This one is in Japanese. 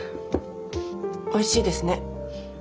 おいしいですね。